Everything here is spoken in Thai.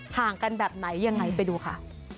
ห่างกันแบบไหนยังไงไปดูค่ะ